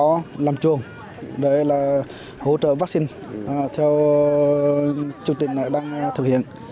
trồng có làm chuồng để là hỗ trợ vắc xin theo chương trình này đang thực hiện